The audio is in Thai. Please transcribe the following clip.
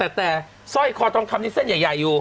แล้วก็แต่สร้อยของมีเส้นใหญ่อยู่